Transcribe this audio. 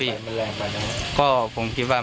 พี่รามยอมรับหนึ่งสิ่งที่พี่รามทำดูไปว่ามันแรงไปนะครับ